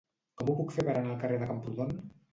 Com ho puc fer per anar al carrer de Camprodon?